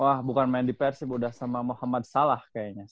wah bukan main di persib udah sama muhammad salah kayaknya